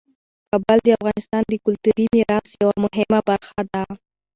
کابل د افغانستان د کلتوري میراث یوه مهمه برخه ده.